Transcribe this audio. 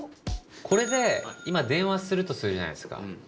これで今電話するとするじゃないですか。